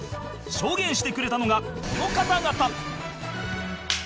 証言してくれたのがこの方々